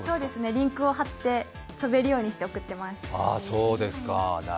リンクを貼って飛べるようにして送ってます。